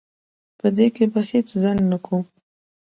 په دې کې به هیڅ ځنډ نه کوم.